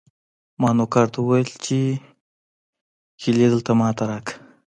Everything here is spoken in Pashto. ما نوکر ته وویل چې کیلي دلته ما ته راکړه.